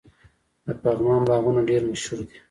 د پغمان باغونه ډیر مشهور دي.